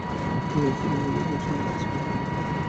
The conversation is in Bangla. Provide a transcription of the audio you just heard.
তবে তিনি বোঝা নন, সম্পদ হিসেবে নিজেকে প্রমাণ করতে প্রার্থী হয়েছেন।